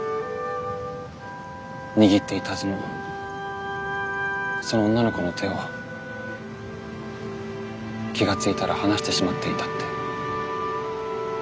握っていたはずのその女の子の手を気が付いたら離してしまっていたって。